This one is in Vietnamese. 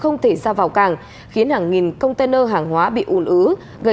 nó có thể hiệu quả